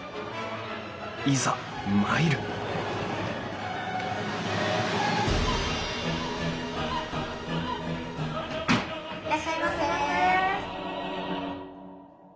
いざ参るいらっしゃいませ。